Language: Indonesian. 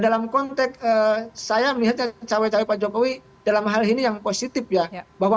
dalam konteks saya melihatnya cawe cawe pak jokowi dalam hal ini yang positif ya bahwa